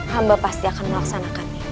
hamba pasti akan melaksanakannya